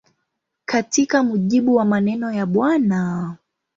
Katika mujibu wa maneno ya Bw.